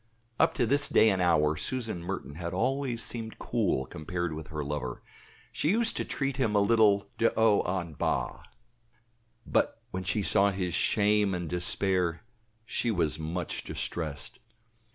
Up to this day and hour, Susan Merton had always seemed cool, compared with her lover; she used to treat him a little de haut en bas. But when she saw his shame and despair, she was much distressed.